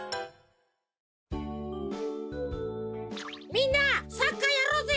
みんなサッカーやろうぜ。